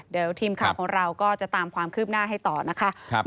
เดี๋ยวทีมข่าวของเราก็จะตามความคืบหน้าให้ต่อนะคะ